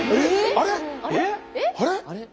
あれ？